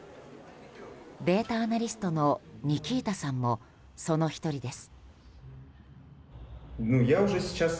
データアナリストのニキータさんもその１人です。